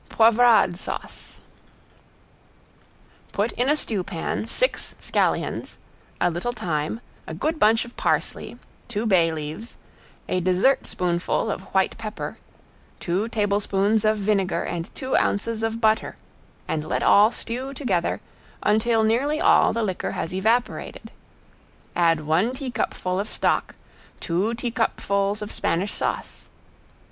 ~POIVRADE SAUCE~ Put in a stewpan six scallions, a little thyme, a good bunch of parsley, two bay leaves, a dessert spoonful of white pepper, two tablespoons of vinegar and two ounces of butter, and let all stew together until nearly all the liquor has evaporated; add one teacupful of stock, two teacupfuls of Spanish sauce.